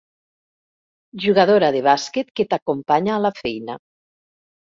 Jugadora de bàsquet que t'acompanya a la feina.